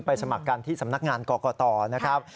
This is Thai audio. สมัครกันที่สำนักงานกรกตนะครับ